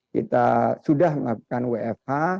kita sudah melakukan wfh